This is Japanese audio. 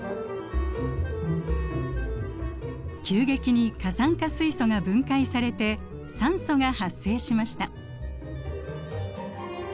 急激に過酸化水素が分解されて酸素が発生しました。